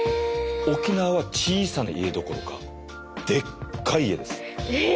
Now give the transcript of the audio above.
沖縄は小さな家どころかでっかい家です。